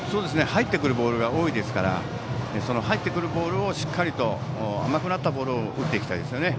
入ってくるボールが多いですから入ってくるボールをしっかりと甘くなったボールを打っていきたいですね。